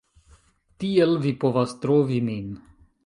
Tiel vi povas trovi min